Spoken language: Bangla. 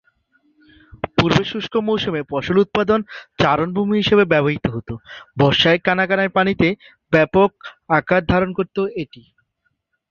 পূর্বে শুষ্ক মৌসুমে ফসল উৎপাদন, চারণভূমি হিসেবে ব্যবহৃত হত; বর্ষায় কানায় কানায় পানিতে ব্যাপক আকার ধারণ করত এটি।